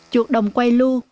chuột đồng quay lưu